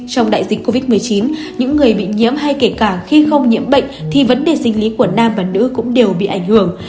trong đại dịch covid một mươi chín những người bị nhiễm hay kể cả khi không nhiễm bệnh thì vấn đề sinh lý của nam và nữ cũng đều bị ảnh hưởng